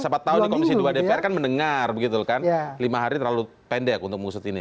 siapa tahu di komisi dua dpr kan mendengar begitu kan lima hari terlalu pendek untuk mengusut ini